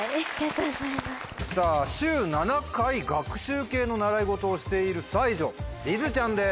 週７回学習系の習い事をしている才女りづちゃんです。